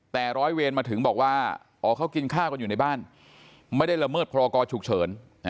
แต่ร้อยเวรมาถึงบอกว่าอ๋อเขากินข้าวกันอยู่ในบ้านไม่ได้ละเมิดพรกรฉุกเฉิน